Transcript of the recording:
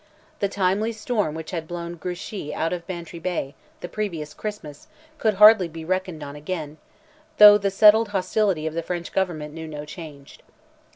The timely storm which had blown Grouchy out of Bantry Bay, the previous Christmas, could hardly be reckoned on again, though the settled hostility of the French government knew no change.